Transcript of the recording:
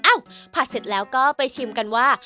ผัดเสร็จแล้วก็ไปชิมกันว่า